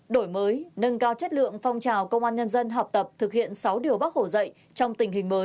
đổi mới nâng cao chất lượng phong trào công an nhân dân học tập thực hiện sáu điều bắt